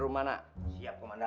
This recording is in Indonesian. siapkan tangan siapkan tangan